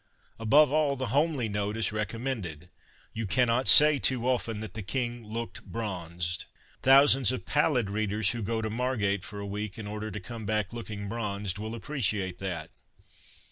Above all, the homely " note " is recommended. You cannot say too often that the King "looked bronzed." Thousands of pallid readers who go to Margate for a week in order to come back looking bronzed will appreciate that.